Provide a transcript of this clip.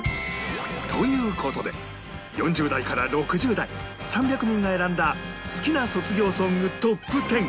という事で４０代から６０代３００人が選んだ好きな卒業ソングトップ１０